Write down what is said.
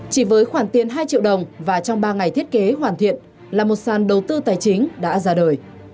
chỉ với khoản tiền hai triệu đồng và trong ba ngày thiết kế hoàn thiện là một sàn đầu tư tài chính đã ra đời